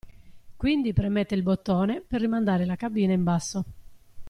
Quindi premette il bottone, per rimandare la cabina in basso.